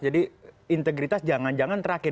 jadi integritas jangan jangan terakhir